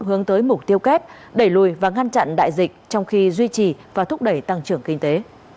hướng tới mục tiêu kép đẩy lùi và ngăn chặn đại dịch trong khi duy trì và thúc đẩy tăng trưởng kinh tế